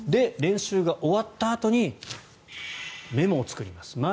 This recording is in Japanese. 練習が終わったあとにメモを作ります。